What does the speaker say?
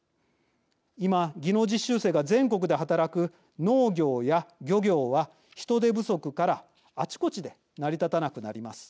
今、技能実習生が全国で働く農業や漁業は人手不足からあちこちで成り立たなくなります。